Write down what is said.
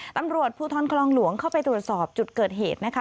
ตำรวจภูทรคลองหลวงเข้าไปตรวจสอบจุดเกิดเหตุนะคะ